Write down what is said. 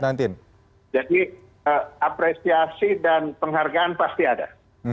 jadi apresiasi dan penghargaan pasti ada